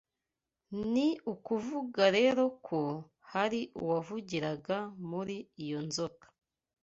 Ni ukuvuga rero ko hari uwavugiraga muri iyo nzoka.